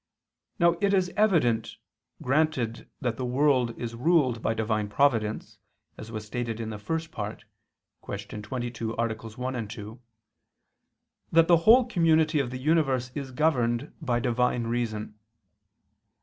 Now it is evident, granted that the world is ruled by Divine Providence, as was stated in the First Part (Q. 22, AA. 1, 2), that the whole community of the universe is governed by Divine Reason.